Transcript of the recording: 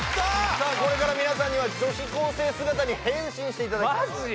さあこれから皆さんには女子高生姿に変身していただきますマジ？